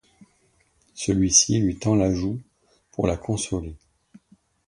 Celui-ci lui tend la joue pour la consoler.